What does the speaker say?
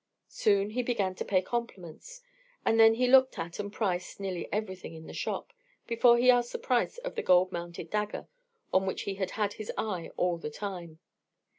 Soon he began to pay compliments; and then he looked at, and priced, nearly everything in the shop before he asked the price of the gold mounted dagger on which he had had his eye all the time.